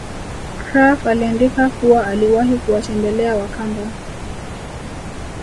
Krapf aliandika kuwa aliwahi kuwatembela wakamba